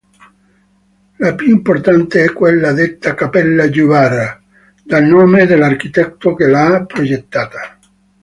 La più importante è quella detta Cappella Juvarra dal nome dell'architetto che l'ha progettata.